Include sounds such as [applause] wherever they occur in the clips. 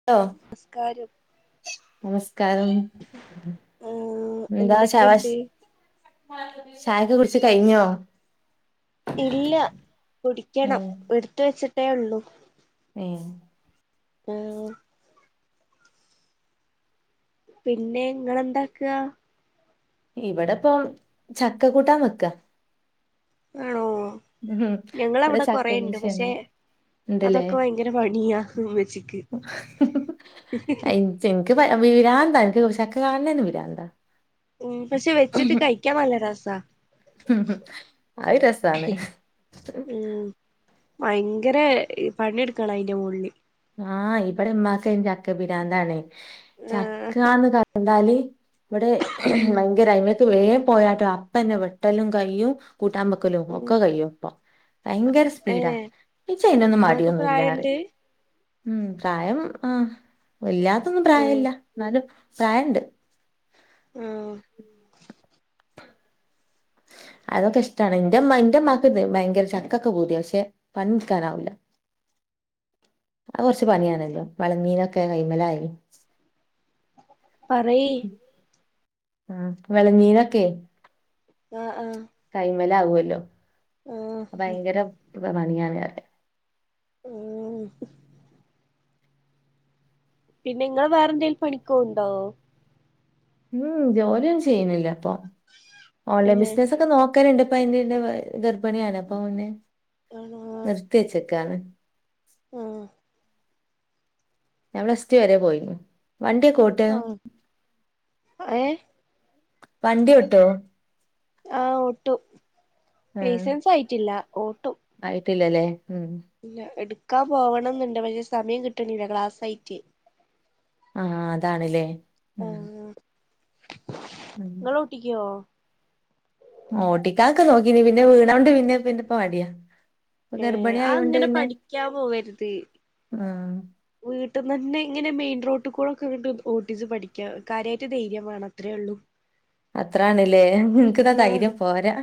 Hello മസ്കാരം നമസ്കാരം ആഹ് എന്താ ശാവ എന്തൊക്കെയുണ്ട് ചായക്കെ കുടിച്ച് കൈയിഞ്ഞോ ഇല്ല കുടിക്കണം ഉം എട്ത്ത് വെച്ചിട്ടേ ഉള്ളൂ ഏഹ് ഉം പിന്നെ ഇങ്ങള് എന്താക്കുക ഇവടെ ഇപ്പോം ചക്കാ കൂട്ടാൻ വെക്കാ ആണോ ഉം ഞങ്ങളാ ഇവിടെ അവടെ ചക്ക കൊറേ ഇണ്ട് കൃഷിയാണ് പശേ ഉണ്ടല്ലേ അതൊക്കെ ഭയ്ങ്കര പണിയാ ഉമ്മാച്ചിക്ക് ചെൻക്ക് വി രാന്താ എൻക്ക് ചക്ക കാണ്ന്നെന്നേ പിരാന്താ.. ഉം പക്ഷെ വെച്ചിട്ട് കഴിക്ക്യാൻ നല്ലാ രെസാ അയ് രസാണ് ഉം ഭയങ്കരെ പണിയെടുക്കാണ് അയിന്റെ മോളില് ആഹ് ഇവടെ ഉമ്മാക്ക് അയിന് ചക്ക പിരാന്തണ് ആഹ് ചക്കാന്ന് കണ്ടാല് ഇവടെ ഉം ഭയങ്കര അയി മേത്ത് വേഗം പോയാട്ടോ അപ്പന്നെ വെട്ടലും കൈയും കൂട്ടാൻ വെ ക്കലും ഉം ഒക്കെ കഴിയും അപ്പൊ ഭയങ്കര സ്പീഡാ ഏഹ് [unintelligible] അയിനൊന്നും ഉമ്മാക്ക് മടിയൊന്നും ഇല്ലാ പറയും പ്രായണ്ട് ഉം പ്രായം ആഹ് വല്ലാതൊന്നും ഉം പ്രായം ഇല്ലാ എന്നാലും പ്രായണ്ട് മ്ഹ് അതൊക്കെ ഇഷ്ടാണ് ന്റെമ്മ ന്റെമ്മാക്ക് ഭയങ്കര ചക്കൊക്ക പൂതിയ പക്ഷെ പണിട്ക്കാനാവൂല അത് കൊറച്ച് പണിയാണല്ലോ വളഞീനൊക്കെ കൈന്മേലായി പറയ് ആഹ് വെളഞ്ഞീനൊക്കെ ആഹ് ആഹ് കൈന്മേലാകുല്ലോ ആഹ് ഭയങ്കര പണിയാണ് രാവിലെ ഉം പിന്നെ ഇങ്ങള് വേറെ എന്തേലും പണിക്കോവ്ണ്ടോ ഉം ജോലിയൊന്നും ചെയ്യുന്നില്ല ഇപ്പൊ ഓൺലൈൻ ഏഹ് ബിസിനസ് ഒക്കെ നോ [unintelligible] എന്റെ ഒപ്പം അയിന് മുന്നേ ഗർഭിണിയാണ് അപ്പൊ പിന്നേ ആണോ നിർത്തി വെച്ചേക്കാണ് മ്ഹ് ഞാൻ പ്ലസ് ടു വരെ പോയിനു വണ്ടി ഒക്കെ ഒ ആഹ് ഏഹ് വണ്ടി ഓട്ടോ ആഹ് ഓട്ടു ആ ലൈസൻസ് ആയിട്ടില്ല ഓട്ടു ആയിട്ടില്ലല്ലേ ഉം ഇല്ല എടുക്കാൻ പോവണം ന്നുണ്ട് പക്ഷെ സമയം കിട്ടണില്ല ക്ലാസ്സായിട്ടെ ആഹ് അതാണ് ലെ ആഹ് ഉം ഇങ്ങള കുട്ടിക്കോ ഓട്ടിക്കാക്കെ നോക്കിനി പിന്നെ വീണോണ്ട് പിന്നെ പിന്നെപ്പ മടിയാ ഇപ്പൊ ഏഹ് ഗർഭിണി അത് ആയോണ്ട് ഇങ്ങന പഠിക്കാൻ പോവരുത് ആഹ് വീട്ടിന്നന്നെ ഇങ്ങനെ മെയിൻ റോട്ടി കൂടെക്കെ കൊണ്ട് വന്ന് ഓട്ടിച്ച് പഠിക്കാ കാര്യായിട്ട് ധൈര്യം വേണം അത്രേ ഉള്ളൂ അത്ര ആണ്ല്ലേ എന്ക്ക്ന്നാ ആഹ് ധൈര്യം പോരാ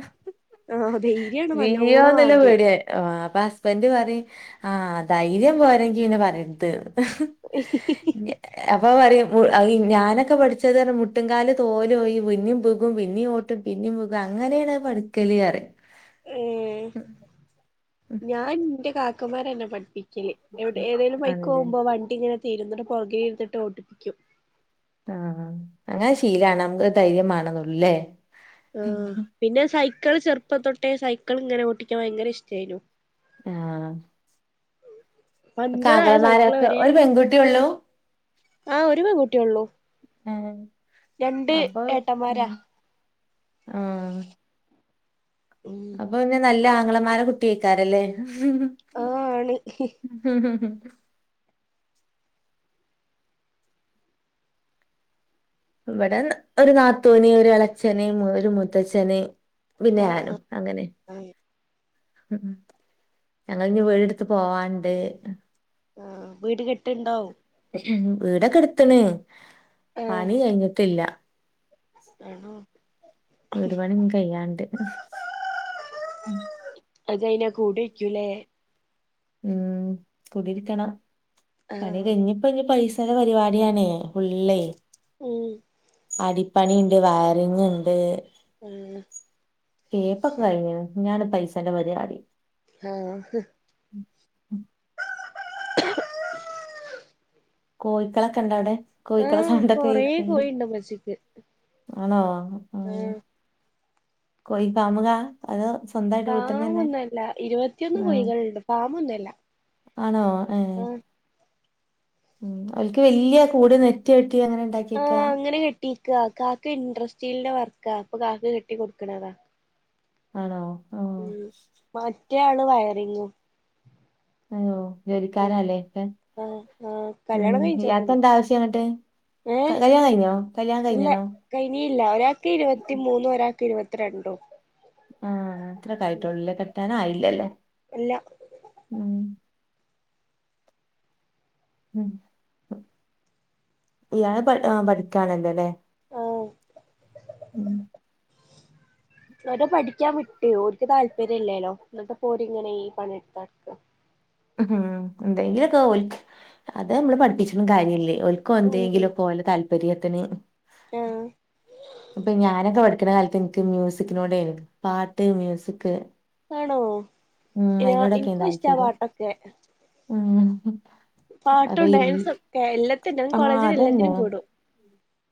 ആഹ് ധൈര്യാണ് നല്ലോണം വീഴോന്ന്ള്ള വാണ്ടിയെ പേടിയാ ആഹ് അപ്പൊ ഹസ്ബൻഡ് പറയും ആഹ് ധൈര്യം പോരെങ്കി പിന്നെ പറയരുത് ന്ന് അപ്പൊ പറയും മു ഞാനൊക്കെ പഠിച്ചത് പറഞ്ഞ മുട്ടുംങ്കാല് തോല് പോയും പിന്നേം വീകും പിന്നേം ഓട്ടും പിന്നേം വീകും അങ്ങനേണ് പടിക്കല് പറയും മ്ഹ് ഞാൻ ന്റെ കാക്കമാര എന്നെ പഠിപ്പി [unintelligible] എവിട് ഏതേലും ബൈക്ക് ആണല്ലേ പോകുമ്പോ വണ്ടി ഇങ്ങനെ തെരും എന്നിട്ട് പൊറകെ ഇരിന്നിട്ട് ഓട്ടിപ്പിക്കും ആഹ് അങ്ങനെ ശീലാവണം നമുക്ക് ധൈര്യം മാണന്ന് ല്ലേ ആഹ് പിന്നെ സൈക്ക്ള് ചെർപ്പം തൊട്ടേ സൈക്ക്ൾ ഇങ്ങനെ ഓട്ടിക്കാൻ ഭയങ്കര ഇഷ്ടായിനു. ആഹ് പഞ്ചറായ സൈക്കിള് കാക്കമ്മാരൊക്കെ വരെ ഒരു പെൺകുട്ടി ള്ളു? ആഹ് ഒരു പെൺകുട്ടിള്ളൂ. ഏഹ് രണ്ട് ഏട്ടന്മാരാ. ആഹ് [unintelligible] അപ്പൊ പിന്നെ നല്ല ആങ്ങളമാരെ കുട്ടി ഏക്കാരല്ലേ ആഹ് ആണ് ഇവടെ ഒരു നാത്തൂന് ഒരു എളച്ചന് മു ഒരു മൂത്തച്ഛന് പിന്ന ഞാനും ആഹ് അങ്ങനെ. [inaudible] ഞങ്ങൾ ഇഞ്ഞി വീട് ട്ത്ത് പോവാണ്ട്. ആഹ് വീട്ട്ല് കെട്ട്ണ്ടോ? ഉം വീടക്കെ എട്ത്ത്ണ് ആഹ് പണി കഴിഞ്ഞിട്ടില്ല. [inaudible] ഒരുപാട്ഞ്ഞ് കയ്യാണ്ട്. അത് കഴിഞ്ഞാ കൂടേക്ക്യുലേ? ഉം കുടിര്ക്കണം പണി ആഹ് കഴിഞ്ഞിപ്പ ഇഞ്ഞി പൈസടെ പരിപാടിയാണെ. ഉള്ളേ ഉം അടിപ്പണിണ്ട് വയറിങ്ങ്ണ്ട്. ആഹ്. തേപ്പൊക്കെ കഴിഞ്ഞ്ണ് ഞാണ് പൈസന്റെ പരിപാടി. ആഹ് ഹ് [inaudible] കോഴിക്കളക്കെണ്ടടെ? കോഴിക്കളെ ആഹ് സൗണ്ടൊക്കെ കൊറേ കേൾക്ക്ണ്ട്. കോഴിണ്ട് ഉമ്മച്ചിക്ക് ആണോ ആഹ് കോയി ഫാമിലാ അതോ? സ്വന്തമായിട്ട് വീട്ടിന്ന് തന്നെ ഫാമൊന്നല്ല ഇരുപത്തിയൊന്ന് ഉം കോഴികള്ണ്ട് ഫാമൊന്നല്ല. ആണോ? ഏഹ് ആഹ് ഉം അവൽക്ക് വല്ല്യ കൂട് നെറ്റ് വെട്ടി അങ്ങനെ ണ്ടാ ആഹ് അങ്ങനെ കെട്ട്യേക്ക കാക്ക ഇൻട്രസ്റ്റ്രീലിന്റെ വർക്കാ അപ്പൊ കാക്ക കെട്ടി കൊടുക്ക്ണതാ. ആണോ? ആഹ് റ്റേയാള് വയറിങ്ങും. ആണോ ഉം ജോലിക്കാരാല്ലേ ക്കെ ആഹ് ആഹ് ഉം കല്യാണം കഴിച്ചൊന്നുല്ല ഇയാക്കെന്താ ആവശ്യാ ന്ന്ട്ട്. ഏഹ് ഇല്ല കഴിഞ്ഞീല്ല ഒരാക്ക് ഇരുപത്തി മൂന്നും ഒരാക്ക് ഇരുപ രണ്ടും. ആഹ് അത്രക്കായിട്ടൊള്ളുലെ കെട്ടാനായില്ലല്ലേ. ഇല്ല [unintelligible] ഉം ഇയാൾ പഠി അ പഠിക്കാണല്ലൊല്ലേ? ആഹ്. ങ്ങട്ട് പഠിക്കാൻ വിട്ട് ഓര്ക്ക് താല്പര്യം ഇല്ലലോ എന്നിട്ടപ്പോര് ഇങ്ങനെ ഈ പണിത്തെട്ക്ക. ഉം എന്തെങ്കിലൊക്കെ ഓൽ അത് നമ്മള് പഠിപ്പിച്ചിട്ടും കാര്യല്ലേ. ഓൽ ഉം ക്കൊന്തെങ്കിലൊക്കെ ഓല താല്പര്യത്തിന്. ആഹ് അപ്പ ഞാനൊക്കെ പഠിക്ക്ണ കാലത്ത് ൻക് മ്യൂസിക്കിനോടേനു പാട്ട്, മ്യൂസിക് ആണോ ഉം എ ഇൻക്കും ഇഷ്ടാ പാട്ടൊക്കെ. ആഹ്. പാട്ടും ഡാൻസൊക്കെ എല്ലത്തിൻ ഞാൻ ആ കോളേജിന് എല്ലത്തിനും അതന്നെ കൂടും.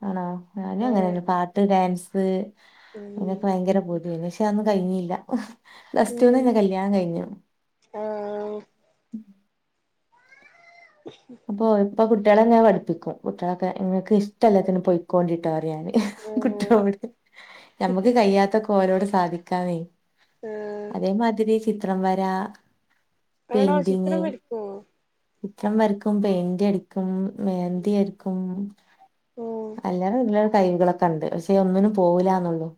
ആണോ? ഞാനും അങ്ങനെന്നെ പാട്ട്, ഡാൻസ് ഉം ക്കെ ഭയങ്കര പൂതേനി ക്ഷെ അതൊന്നും കഴിഞ്ഞില്ല. പ്ലസ്റ്റുന്നന്നെ കല്യാണം കഴിഞ്ഞു. ആ ഉം. പ്പോ ഇപ്പ കുട്ട്യാളെങ്ങനെ പഠിപ്പിക്കും കുട്ട്യാളൊക്കെ ങ്ങക്ക് ഇഷ്ടള്ളത്തിന് പൊയ്ക്കോണ്ടിട്ടൊർയും ഞാന് ആഹ് കുട്ട്യാളോട് ഞമ്മക്ക് കയ്യാത്തൊക്കെ ഓലോട് സാധിക്കാന്നേ ആഹ് അതേമാതിരി ചിത്രം വര ആണോ പെയിന്റിങ് ചിത്രം വരക്കോ ചിത്രം വരക്കും പെയിന്റടിക്കും മെഹന്തി വര് ക്കും ഓ അല്ലറ ചില്ലറ കഴിവുകളൊക്കെണ്ട് പക്ഷേ ഒന്നിനും പോവൂലന്നുള്ളു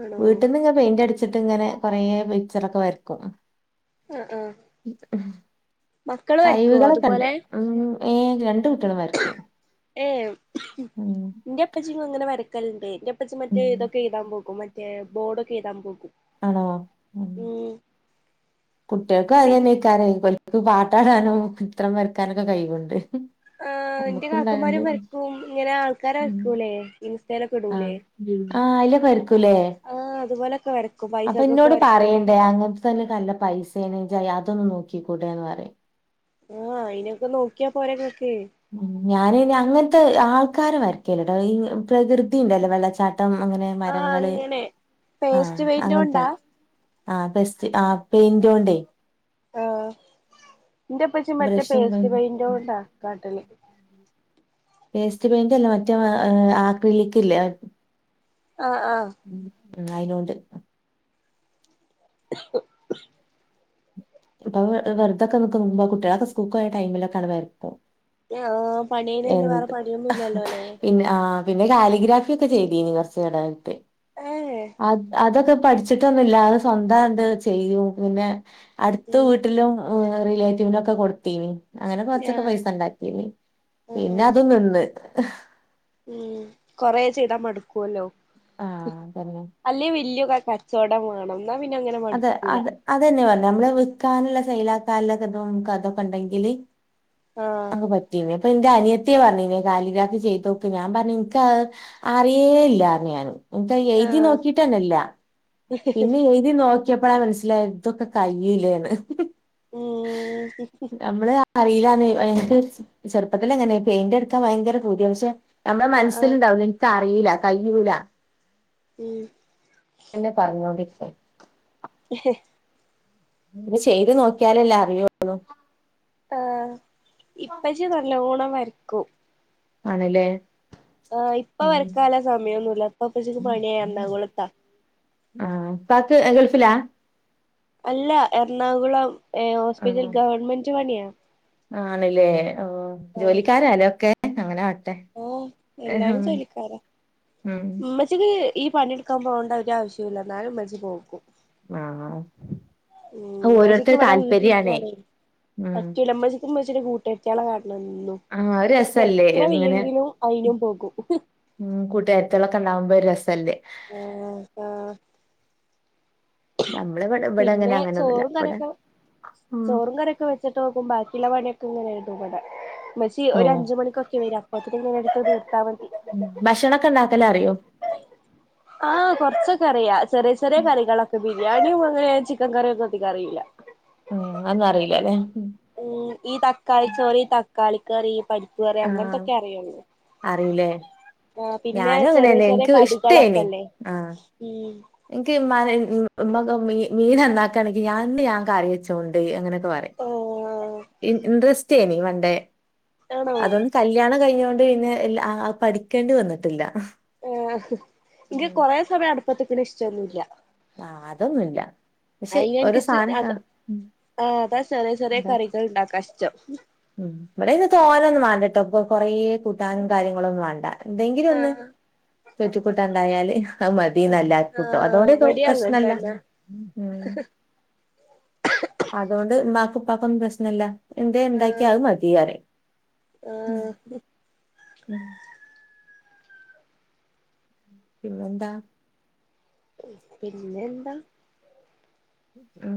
ആണോ വീട്ടിന്ന് ങ്ങനെ പെയിന്റടിച്ചിട്ട് ങ്ങനെ കൊറേ പിച്ചറൊക്കെ വരക്കും. ആഹ് ആഹ് മക്കള് വരക്കുവോ കയ്വുകളൊക്കെണ്ട് അതുപോലെ ഉം ഏ രണ്ട് കുട്ട്യാളും വര്ക്കും ഏ ഉം ന്റെപ്പച്ചിം ങ്ങന വരക്കല്ണ്ട് ന്റെപ്പച്ചി മറ്റേതൊക്കെ എയ്താൻ പോകും മറ്റേ ബോഡൊക്കെ എയ്താൻ പോകും ആണോ ഉം കുട്ട്യാക്കും പിൻ അതെന്നെക്കാരെ ഓൽ ക്ക് പാട്ടാടാനും ചിത്രം വരക്കാനൊക്കെ കയ്വ്ണ്ട് ആ ന്റെ കാക്കമാരും വരക്കും ഇങ്ങനെ ആൾക്കാരെ വരക്കൂല്ലെ ഇൻസ്റ്റെലൊക്കെടൂല്ലേ ആ അയ്ലൊക്കെ വരക്കൂല്ലേ ആ അതുപോലൊക്കെ വര അപ്പൊ ഇന്നോട് പറയ്ണ്ട് അങ്ങൻത്തത് നൊക്കെ നല്ല പൈസേണ് ഇജ്ജതൊന്ന് നോക്കിക്കൂടെന്ന് പറയും ആ അയിനൊക്കെ നോക്ക്യ പോരെ ഇങ്ങക്ക് ഉം ഞാന് പിന്നെ അങ്ങൻത്തെ ആൾക്കാരെ വരക്കല്ലട്ടോ ഈ പ്രകൃതിണ്ടല്ലോ വെള്ളച്ചാട്ടം അങ്ങനെ ആഹ് മരങ്ങള് അങ്ങനെ ആ പേസ്റ്റ് അങ്ങൻത്തെ പെയിന്റോണ്ടാ വരക്കും ആ [unintelligible] ആ പെയിന്റോണ്ടേ ആഹ് ബ്രഷും ന്റോ ണ്ടാ കാട്ടല് പേസ്റ്റ് പെയിന്റ് അല്ല മറ്റേ ആക്രി ലിക്കില്ലേ ആ ആ ഉം അയിനോണ്ട് ആ ഇപ്പൊ വെറുതോക്കെ നിക്കുമ്പോ കുട്ട്യാളൊക്കെ സ്കൂക്ക് പോയ ടൈമിലൊക്കെ അങ്ങട്ട് വരക്കും എം പണി കഴിഞ്ഞാ പിന്നെ വേറെ പണിയൊന്നും ഇല്ലല്ലോല്ലെ പിന്നെ ആ പിന്നെ കാലിഗ്രാഫി ഒക്കെ ചെയ്തീനി കൊർച്ച് [unintelligible] എ ഏ അത് അതൊക്കെ പഠിച്ചിട്ടൊന്നുല്ല അത് സ്വന്തണ്ട് ചെയ്യും പിന്നെ അട്ത്ത് ഉം വീട്ട ട്ടിലും ഏ റിലേറ്റീവിനൊക്കെ കൊടുത്തീനി അങ്ങനെ കൊർച്ചൊക്കെ ആഹ് പൈസണ്ടാക്കിനി ഉം ഉം പിന്നത് നിന്ന് ഉം കൊറെ ചെയ്താ മടുക്കുല്ലോ ആ അതെന്നെ അല്ലെ വെല്യ കച്ചോടം വാണം ന്നാ പിന്നെ അങ്ങനെ അതെ മടുക്കൂല അത് അതെന്നെ പർഞ്ഞെ നമ്മള് വിക്കാന്ള്ള സെയ്ലാക്കാള്ളതൊക്കെ ണ്ടെങ്കില് ആഹ് ക്കെ പറ്റീനി പ്പൊ ന്റെ അനിയത്തി പറഞ്ഞീനി കാലിഗ്രാഫി ചെയ്തോക്ക് ഞാൻ പറഞ്ഞ് ഇൻക്കത് അറിയേല്ലർഞ്ഞ് ഞാന് ഇൻക്കത് എയ്തി ആഹ് നോക്കിട്ടെന്നെല്ല പിന്നെ എഴുതി നോക്കി ക്ക്യപ്പളാ മനസ്സിലായത് ഇതൊക്കെ കയ്യുല്ലേന്ന് ഉം ഞമ്മള് അറിയില്ലാന്ന് [unintelligible] ഇൻക്ക് ചെറുപ്പത്തിലങ്ങനെ പെയിന്റെട്ക്കാൻ ഭയങ്കര പൂതിയാ പക്ഷെ ഞമ്മളെ ആഹ് ആഹ് മനസ്സിലുണ്ടാവൂലെ ഇൻക്ക് അറീല്ല കയ്യൂല ഉം ന്നെ പറഞ്ഞോണ്ടിരിക്കും ഹ ഹ ഇത് ചെയ്ത് നോക്കിയാലല്ലേ അറിയോള്ളു. ആ ഇപ്പച്ചി നല്ലോണം വരക്കും. ആണ് ല്ലേ ആ ഇപ്പ വരക്കാല സമയമൊന്നുല്ല ഇപ്പൊ ഇപ്പച്ചിക്ക് പണിയായി എറണാകുളത്താ. ആഹ ഇപ്പാക്ക് ഗൾഫിലാ അല്ല എറണാകുളം ഏ ഹോസ്പിറ്റൽ ഗവൺമെന്റ് പണിയാ. ആണ്ല്ലേ ഓ ആഹ് ജോലിക്കാരല്ലേ ഒക്കെ? അങ്ങനെ ആവട്ടെ ഓഹ് ആഹ് എല്ലാരും ഉം ഉം മ്മച്ചിക്ക് ഈ പണിയെടുക്കാൻ പോകണ്ട ഒരു ആവശ്യൂല്ല ഇന്നാലും മ്മച്ചി പോകും. ആഹ് മ്മച്ചിക്ക് ഓരോരുത്തരെ ഇവടെ താല്പര്യാണേ വീട്ടിലിരിക്കാനെ ഉം പറ്റൂല. മ്മച്ചിക്ക് മ്മച്ചിക്ക് കൂട്ടാർത്തിയാളെ കാണണം എന്നും. ആഹ് അത് രസല്ലേ എത്ര ഇങ്ങനെ വെയ്യെങ്കിലും അയിനും പോകും. ഉം കൂട്ട്കാരത്തിള്ളൊക്കെ ഇണ്ടാകുമ്പോ ഒരു രസല്ലേ. ആഹ് ആഹ് നമ്മള് വിടം പിന്നെ ചോറും കറിയൊക്കെ ഉം ചോറും കറിയൊക്കെ വെ ച്ച്ട്ടോക്കും ബാക്കിള്ള പണിയൊക്കെ ഇങ്ങനെയ്തും വെടെ. ഉമ്മച്ചി ഓഹ് ഒരഞ്ച് മണിക്കൊക്കെ വേരാ ഹോസ്പിറ്റൽ നിന്ന് എടുത്ത് തീർത്താൽ മതി. ഉ ഭക്ഷണംക്കെ ണ്ടാക്കല അറിയോ? ആഹ് കൊറ്ച്ചൊക്കെ അറിയാ ചെറിയ ചെറിയ കറികളൊക്കെ ബിരിയാണിം അങ്ങനെ ചിക്കൻ കറിയൊക്കെ വെപ്പിക്കാൻ അറിയില്ല. [inaudible] ഉം അതെന്നും അറിയില ലെ ഉം ഈ തക്കാളിചോലി, തക്കാളി കറി, പരിപ്പ് കറി, അങ്ങൻത്തൊക്കെ അറിയുള്ളൂ. ല്ലെ ആഹ് പിന്നെ ഞാനും ചെറിയ അങ്ങനെന്നെ ചെറിയ ഇൻക്ക് ഇഷ്ടേനി കടികളൊക്കെല്ലേ ആഹ് ഉം ഇൻക്ക് ഇമ്മാനെ ഇമ്മക്കെ മീ മീൻ നന്നാക്കാണെങ്കി ഞാൻന്ന് ഞാൻകറി വെച്ചോണ്ട് അങ്ങനെയൊക്കെ പറിം. ആഹ് ഇൻട്രസ്റ്റെനി പണ്ടേ ആണോ അതൊണ്ട് കല്യാണം കഴിഞ്ഞൊണ്ട് പിന്നെ ല്ല പഠിക്കേണ്ടി വന്ന്ട്ടില്ല. ഏ ഇൻക് കൊറെ സമയം അടുപ്പത്ത്ക്ണ ഇഷ്ട്ടൊന്നുല്ല ആഹ് അതൊന്നുല്ല പക്ഷെ ഒരു അയ്ല്ൻകിശ് സാധനംട്ടാ അത് ഉം ആ അതാചെറിയ ചെറിയ എന്താ കറികൾ ഇണ്ടാക്കഷ്ടം. ഉം ഇവടെയ്ന് തോനന്നും മാണ്ടട്ടോ ഇപ്പ കൊറേ കൂട്ടാനും കാര്യങ്ങളും ഒന്നും വേണ്ടാ ന്തെങ്കിലും ഒന്ന് ആഹ് ച്ചോറ്റ്ക്കൂട്ടാണ്ടായാല് ആഹ് മതിന്നാ എല്ലാർകുട്ടൊ ആഹ് അതോടെ ഇവടിം അങ്ങൻ പ്രശ്നല്ല തന്നെ [inaudible] അതോണ്ട് മ്മാക്കും ഉപ്പക്കൊന്നും പ്രശ്നല്ല എന്തേം ഇണ്ടാക്കിയാ അത് മതി പറിം ആഹ ഉം പിന്നെന്താ പിന്നെ ന്താ ഉം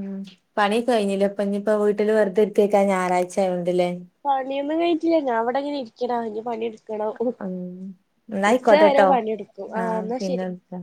പണികയ്ഞ്ഞിലെ ഇപ്പ ഇനിയിപ്പം വീട്ടില് വെറുതെര്ത്തിയേക്കാ ഞായറാഴ്ചയോണ്ട്ല്ലേ പണിയൊന്നും കയിഞ്ഞിട്ടില്ല ഞാ വെടെ ങ്ങനെ ഇരിക്കണാ ഇഞ് പണിടു ക്കെണോ ഉ ഉം എന്നാ ഉച്ച വരെ ആയിക്കോട്ടെട്ടോ പണിട്ക്കും ആ ആഹ് ന്നാ പിന്നെ ശരി. വിളിക്കാ